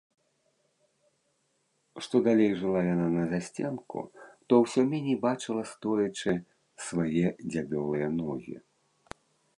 Што далей жыла яна на засценку, то ўсё меней бачыла, стоячы, свае дзябёлыя ногі.